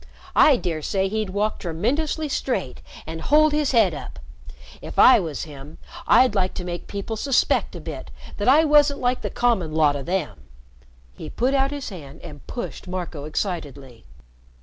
I dare say he'd walk tremendously straight and hold his head up. If I was him, I'd like to make people suspect a bit that I wasn't like the common lot o' them." He put out his hand and pushed Marco excitedly.